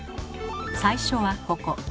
最初はここ。